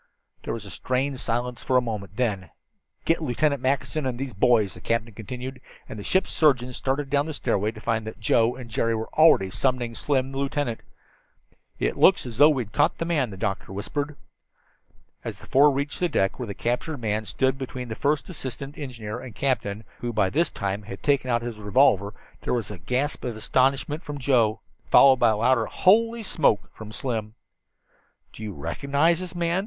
There was a strained silence for a moment. Then "Get Lieutenant Mackinson and those boys," the captain continued, and the ship's surgeon started down the stairway to find that Joe and Jerry already were summoning Slim and the lieutenant. "It looks as though we'd caught the man," the doctor whispered. As the four reached the deck where the captured man stood between the first assistant engineer and the captain, who had by this time taken out his revolver, there was a gasp of astonishment from Joe, followed by a louder "Holy smoke!" from Slim. "Do you recognize this man?"